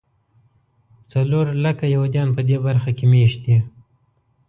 څلور لکه یهودیان په دې برخه کې مېشت دي.